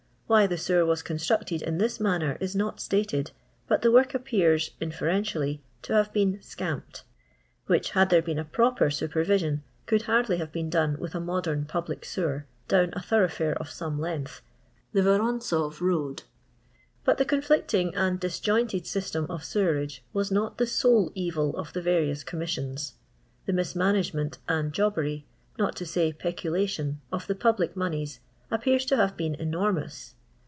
Why the sewer wns constructed in this manner is not stated, but the work appears, inferentially, to have been icamped, which, had there been a proper super vision, could hardly have been done with a modem public sewer, down a thoteughiare of some length (the Woronzow road). But the conflicting and disjointed system of sewerage was not the sole evil of the various Com missions. The mismanagement and jobbery, not to say peculation, of the public moneys, appear to have been enormous.